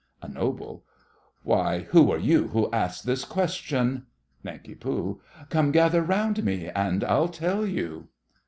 A NOBLE. Why, who are you who ask this question? NANK. Come gather round me, and I'll tell you.